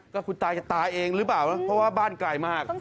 ก็คุณตาจะตายเองหรือเปล่านะเพราะว่าบ้านไกลมาก